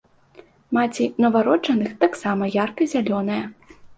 Маці нованароджаных таксама ярка-зялёная.